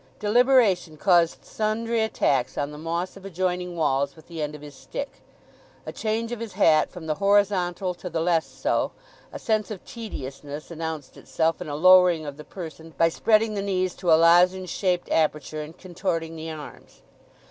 Deliberation caused sundry attacks on the moss of adjoining walls with the end of his stick, a change of his hat from the horizontal to the less so; a sense of tediousness announced itself in a lowering of the person by spreading the knees to a lozenge shaped aperture and contorting the arms.